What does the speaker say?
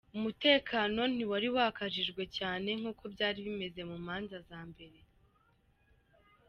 Umutekano ntiwari wakajijwe cyane nk'uko byari bimeze mu manza za mbere.